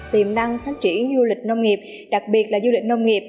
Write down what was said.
tiềm năng phát triển du lịch nông nghiệp đặc biệt là du lịch nông nghiệp